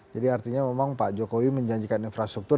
jadi artinya memang pak jokowi menjanjikan infrastruktur